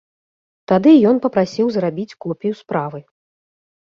Тады ён папрасіў зрабіць копію справы.